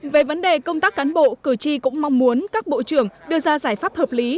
về vấn đề công tác cán bộ cử tri cũng mong muốn các bộ trưởng đưa ra giải pháp hợp lý